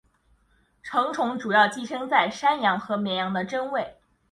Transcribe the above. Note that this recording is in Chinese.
成虫主要寄生在山羊和绵羊的真胃。